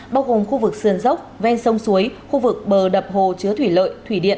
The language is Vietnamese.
bao gồm khu vực sườn dốc ven sông suối khu vực bờ đập hồ chứa thủy lợi thủy điện